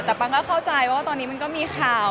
แต่ปังก็เข้าใจว่าตอนนี้มันก็มีข่าว